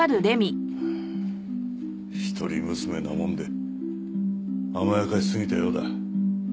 一人娘なもんで甘やかしすぎたようだ。